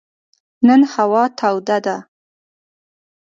نن هوا توده ده.